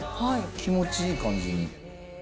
気持ちいい感じに。